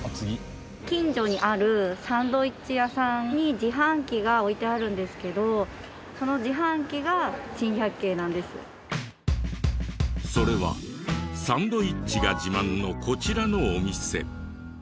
近所にあるサンドイッチ屋さんに自販機が置いてあるんですけどそのそれはサンドイッチが自慢のこちらのお店。